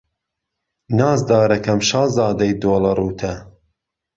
نازدارهکهم شازادهی دۆڵهڕووته